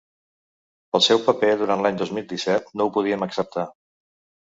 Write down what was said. Pel seu paper durant l’any dos mil disset no ho podíem acceptar.